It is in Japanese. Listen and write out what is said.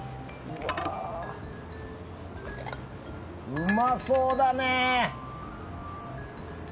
うまそうだね！